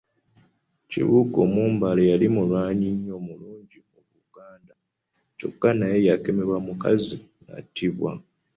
Kibuuka Omumbaale yali mulwanyi mulungi mu Buganda kyokka naye yakemebwa mukazi nattibwa.